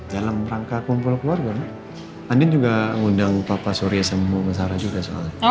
dalam rangka kumpul keluarga andien juga ngundang papa surya semua ke sarah juga soalnya